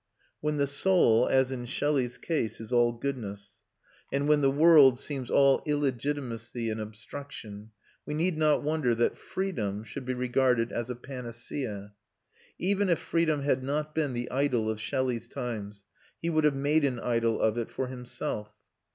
When the soul, as in Shelley's case, is all goodness, and when the world seems all illegitimacy and obstruction, we need not wonder that freedom should be regarded as a panacea. Even if freedom had not been the idol of Shelley's times, he would have made an idol of it for himself.